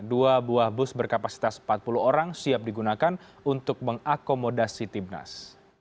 dua buah bus berkapasitas empat puluh orang siap digunakan untuk mengakomodasi timnas